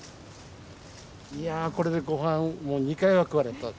いやこれでごはんもう２回は食われるぞ。